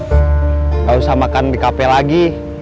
tidak usah makan di kafe lagi